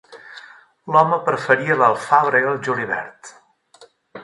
L'home preferia l'alfàbrega al julivert.